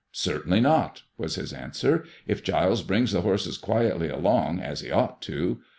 Certainly not," was his answer, if Giles brings the horses quietly along, as he ought to.